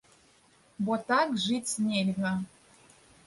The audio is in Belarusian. Бо так жыць нельга.